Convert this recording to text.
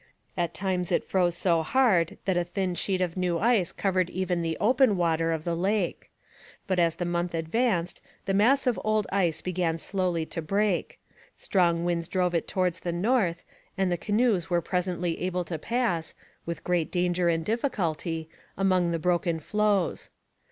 At times it froze so hard that a thin sheet of new ice covered even the open water of the lake. But as the month advanced the mass of old ice began slowly to break; strong winds drove it towards the north, and the canoes were presently able to pass, with great danger and difficulty, among the broken floes.